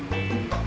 perasaan saya kenal